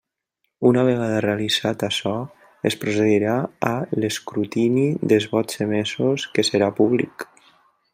Una vegada realitzat açò, es procedirà a l'escrutini dels vots emesos, que serà públic.